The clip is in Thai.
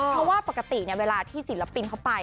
เพราะว่าปกติเวลาที่ศิลปินเขาไป